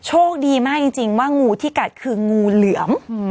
โชคดีมากจริงว่างูที่กัดคืองูเหลือม